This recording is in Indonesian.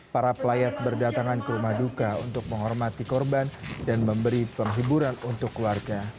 para pelayat berdatangan ke rumah duka untuk menghormati korban dan memberi penghiburan untuk keluarga